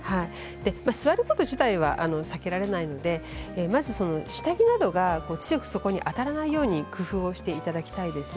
座ること自体は避けられないのでまず下着などが強くそこに当たらないように工夫していただきたいです。